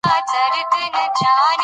خپلې ژبې ته وفادار پاتې شو.